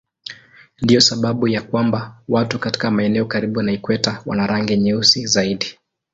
Ndiyo sababu ya kwamba watu katika maeneo karibu na ikweta wana rangi nyeusi zaidi.